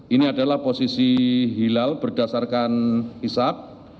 ini adalah posisi hilal berdasarkan hisap